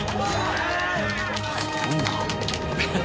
すごいな。